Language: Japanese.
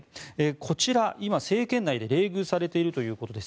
こちら今、政権内で冷遇されているということです。